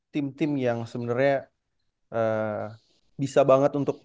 tim tim yang sebenarnya bisa banget untuk melakukan hal yang lebih baik dari tim tim yang sebenarnya bisa banget untuk